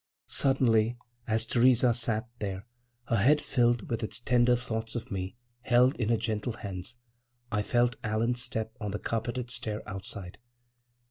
< 2 > Suddenly, as Theresa sat there, her head, filled with its tender thoughts of me, held in her gentle hands, I felt Allan's step on the carpeted stair outside.